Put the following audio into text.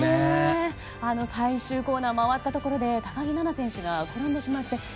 最終コーナーを回ったところで高木菜那選手が転んでしまって。